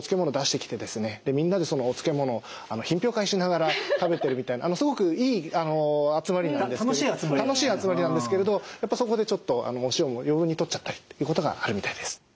みんなでそのお漬物を品評会しながら食べてるみたいですごくいい集まりなんですけど楽しい集まりなんですけれどそこでちょっとお塩も余分にとっちゃったりということがあるみたいです。